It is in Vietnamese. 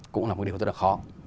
cũng là một điều rất là khó